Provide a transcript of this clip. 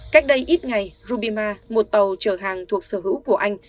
cách đây ít ngày rubima một tàu chở hàng thuộc sở hữu của anh